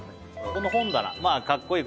この本棚まあカッコいい